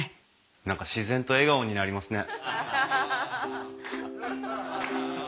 何か自然と笑顔になりますね。